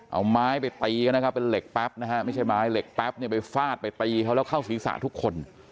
เอาไม้ไปตีกันนะครับเป็นเหล็กแป๊บนะฮะไม่ใช่ไม้เหล็กแป๊บเนี่ยไปฟาดไปตีเขาแล้วเข้าศีรษะทุกคน